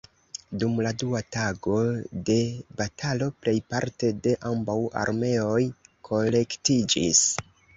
Dum la dua tago de batalo, plejparte de ambaŭ armeoj kolektiĝis.